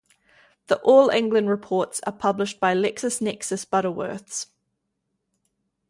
The All England reports are published by LexisNexis Butterworths.